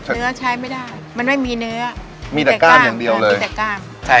เนื้อใช้ไม่ได้มันไม่มีเนื้อมีแต่กล้ามอย่างเดียวเลย